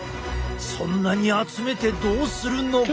そんなに集めてどうするのか？